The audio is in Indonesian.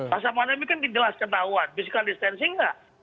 masa pandemi kan dijelas ketahuan physical distancing nggak